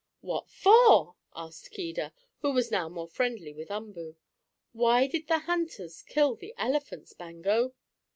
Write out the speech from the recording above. "What for?" asked Keedah, who was now more friendly with Umboo. "Why did the hunters kill the elephants, Bango?"